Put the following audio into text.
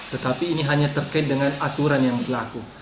tetapi ini hanya terkait dengan aturan yang berlaku